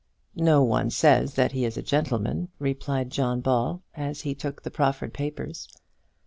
"No one says that he is a gentleman," replied John Ball, as he took the proffered papers.